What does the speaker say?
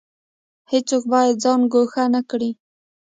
هیڅوک باید ځان ګوښه نکړي